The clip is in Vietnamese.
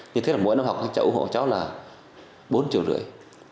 như thế là mỗi năm học các cháu ủng hộ cháu là bốn triệu rưỡi